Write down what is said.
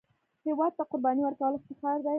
هېواد ته قرباني ورکول افتخار دی